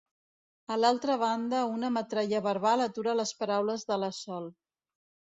A l'altra banda una metralla verbal atura les paraules de la Sol.